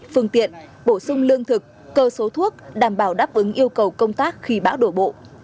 phương tiện bổ sung lương thực cơ số thuốc đảm bảo đáp ứng yêu cầu công tác khi bão đổ bộ